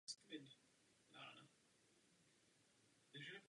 Vyskytoval se v Austrálii od jezera Albert a východně až na západ státu Victoria.